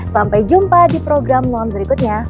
sampai jumpa di program non berikutnya